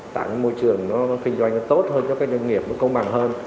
tặng môi trường nó kinh doanh tốt hơn cho các doanh nghiệp nó công bằng hơn